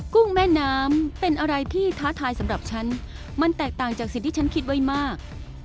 กุ้งแม่น้ำเป็นอะไรที่ท้าทายสำหรับฉันมันแตกต่างจากสิ่งที่ฉันคิดไว้มาก